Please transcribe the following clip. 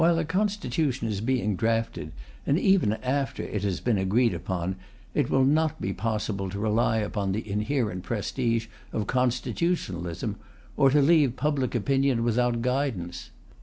While a Constitution is being drafted, and even after it has been agreed upon, it will not be possible to rely upon the inherent prestige of Constitutionalism, or to leave public opinion without guidance.